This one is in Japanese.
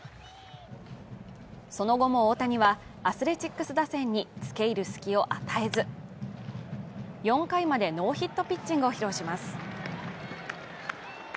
その後も大谷はアスレチックス打線に付け入る隙を与えず４回までノーヒットピッチングを披露します